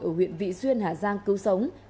ở huyện vị xuyên hà giang cứu sống